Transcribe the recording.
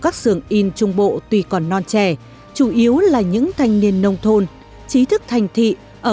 các xưởng in trung bộ tùy còn non trẻ chủ yếu là những thanh niên nông thôn trí thức thành thị ở